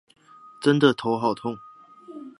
真的頭好痛